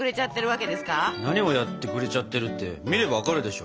何をやってくれちゃってるって見れば分かるでしょ？